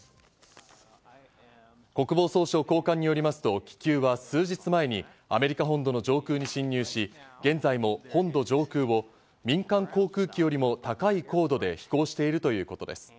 国防総省高官によりますと、気球は数日前にアメリカ本土の上空に侵入し、現在も本土上空を民間航空機よりも高い高度で飛行しているということです。